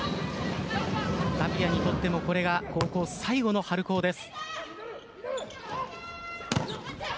タピアにとってもこれが高校最後の春高です。